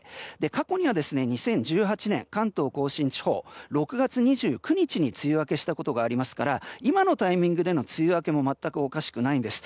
過去には２０１８年、関東・甲信地方６月２９日に梅雨明けしたことがありますから今のタイミングでの梅雨明けも全くおかしくないんです。